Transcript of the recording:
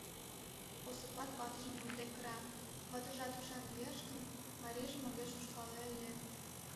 Осыпат ватыжым ушде кыра; ватыжат ушан лиеш гын, марийжым огеш ушкале ыле...